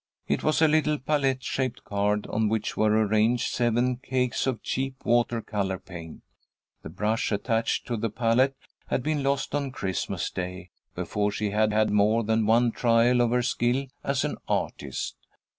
It was a little palette shaped card on which were arranged seven cakes of cheap water colour paint. The brush attached to the palette had been lost on Christmas Day, before she had had more than one trial of her skill as an artist.